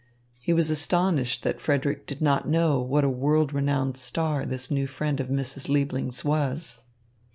He was astonished that Frederick did not know what a world renowned star this new friend of Mrs. Liebling's was.